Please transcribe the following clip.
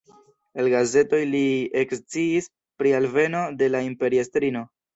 El gazetoj li eksciis pri alveno de la imperiestrino.